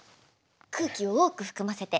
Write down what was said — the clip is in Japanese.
空気を多く含ませて。